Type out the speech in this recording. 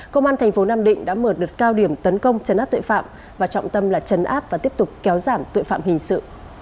công an thành phố nam định đã mở đợt cao điểm tấn công chấn áp tội phạm và trọng tâm là chấn áp và tiếp tục kéo giảm tội phạm hình sự